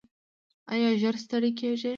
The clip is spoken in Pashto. ایا ژر ستړي کیږئ؟